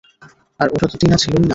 আর ওটা তো টিনা ছিলোই না।